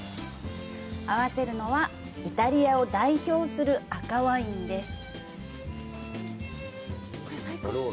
合わせるのはイタリアを代表する赤ワインです。